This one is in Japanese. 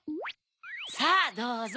さぁどうぞ。